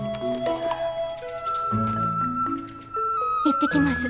行ってきます。